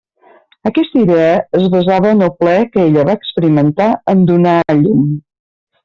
Aquesta idea es basava en el plaer que ella va experimentar en donar a llum.